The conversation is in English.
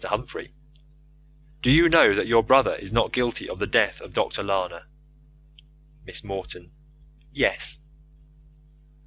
Humphrey: Do you know that your brother is not guilty of the death of Doctor Lana? Miss Morton: Yes.